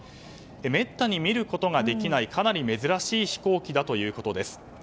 めったに見ることができないかなり珍しい飛行機ということです。